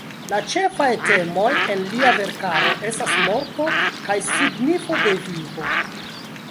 La ĉefaj temoj en lia verkaro estas morto kaj signifo de vivo.